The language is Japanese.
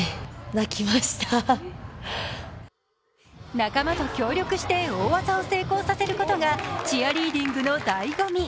仲間と協力して大技を成功させることがチアリーディングのだいご味。